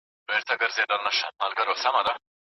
د رڼو اوبو نشتوالی د هر چا لپاره ستونزه ده.